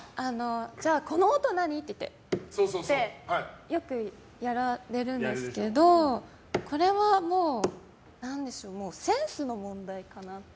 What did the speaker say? この音、何？って言ってよくやられるんですけどこれはもうセンスの問題かなって。